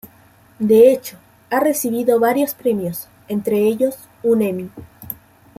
De hecho, ha recibido varios premios, entre ellos un Emmy.